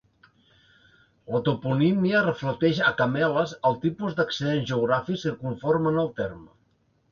La toponímia reflecteix a Cameles el tipus d'accidents geogràfics que conformen el terme.